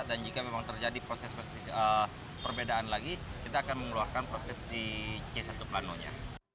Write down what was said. dan jika memang terjadi proses perbedaan lagi kita akan mengeluarkan proses di c satu plano nya